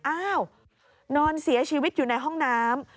อ้าวนอนเสียชีวิตอยู่ในห้องน้ำ